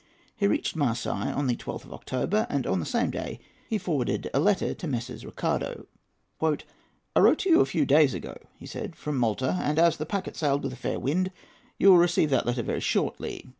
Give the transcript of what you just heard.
He reached Marseilles on the 12th of October, and on the same day he forwarded a letter to Messrs. Ricardo. "I wrote to you a few days ago," he said, "from Malta, and, as the packet sailed with a fair wind, you will receive that letter very shortly.